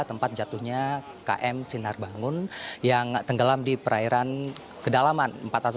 tempat jatuhnya km sinar bangun yang tenggelam di perairan kedalaman